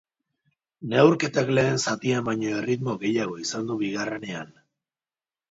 Neurketak lehen zatian baino erritmo gehiago izan du bigarrenean.